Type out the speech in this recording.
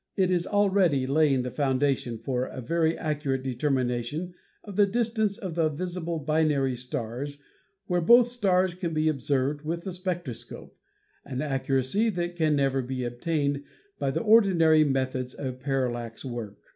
It is already laying the foundation for a very accurate determination of the distance of the visible binary stars where both stars can be observed with the spectroscope — an accuracy that can never be attained by the ordinary methods of parallax work.